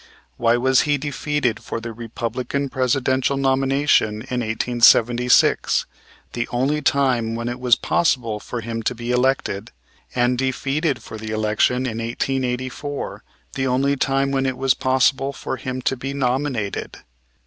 Why was he defeated for the Republican Presidential nomination in 1876, the only time when it was possible for him to be elected, and defeated for the election in 1884, the only time when it was possible for him to be nominated?